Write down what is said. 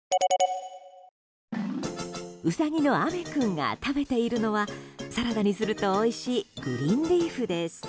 ウサギのあめ君が食べているのはサラダにするとおいしいグリーンリーフです。